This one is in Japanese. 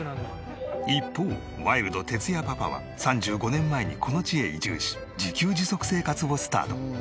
一方ワイルドてつやパパは３５年前にこの地へ移住し自給自足生活をスタート。